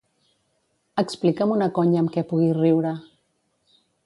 Explica'm una conya amb què pugui riure.